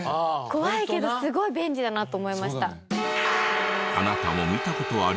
怖いけどすごい便利だなと思いました。